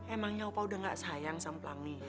emangnya opa sudah tidak sayang sama pelangi